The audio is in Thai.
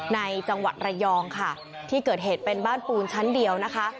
ในจังหวัดระยองค่ะที่เกิดเหตุเป็นบ้านปูนชั้นเดียวนะคะ